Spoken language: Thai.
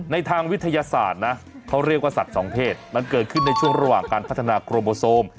ทางวิทยาศาสตร์นะเขาเรียกว่าสัตว์สองเพศมันเกิดขึ้นในช่วงระหว่างการพัฒนาโครโมโซม